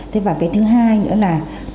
thế và cái thứ hai nữa là